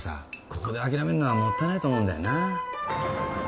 ここで諦めるのはもったいないと思うんだよな。